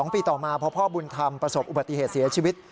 ปีต่อมาพอพ่อบุญธรรมประสบอุบัติเหตุเสียชีวิต